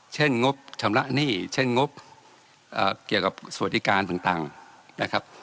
เช่นงบชำนะหนี้เช่นงบเกี่ยวกับสวทิการต่างต่างนะครับ